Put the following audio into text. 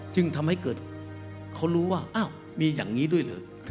จึงทำให้เกิดเขารู้ว่าอ้าวมีอย่างนี้ด้วยเหรอ